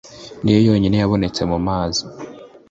niyo yonyine yabonetse mu mazi.